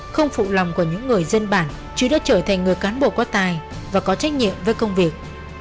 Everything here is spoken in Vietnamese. không phụ lòng của những người dân bản chứ đã trở thành người cán bộ có tài và có trách nhiệm với công việc